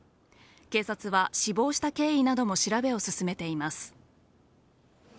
警察は、死亡した経緯なども調べを進めています。